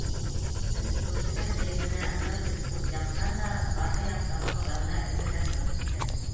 Сөнки күршеһе мейесенә ныҡ итеп ут яҡҡан да арғы яҡтағы ҡоҙаһына эсергә сығып киткән...